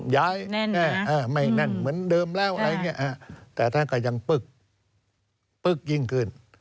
ไม่แน่นเหมือนเดิมแล้วอะไรอย่างนี้แต่ท่านก็ยังปึ๊กปึ๊กยิ่งขึ้น